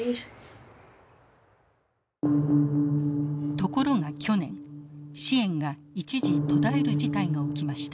ところが去年支援が一時途絶える事態が起きました。